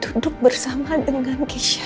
duduk bersama dengan keisha